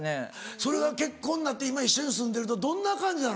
それが結婚なって今一緒に住んでるとどんな感じなの？